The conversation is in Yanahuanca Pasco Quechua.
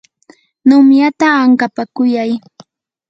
numyata ankapakuyay.